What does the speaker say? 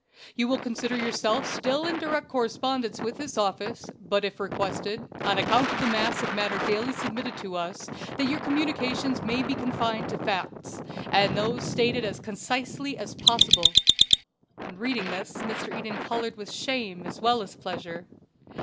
You will consider yourself still in direct correspondence with this office, but it is requested, on account of the mass of matter daily submitted to us, that your communications may be confined to facts, and those stated as concisely as possible." On reading this Mr. Eden colored with shame as well as pleasure.